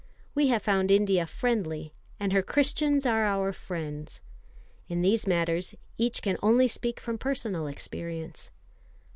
We have found India friendly, and her Christians are our friends. In these matters each can only speak from personal experience.